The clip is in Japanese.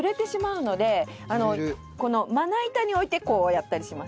まな板に置いてこうやったりします。